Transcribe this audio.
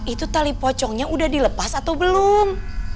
itu tali pocongnya udah dilepas atau belum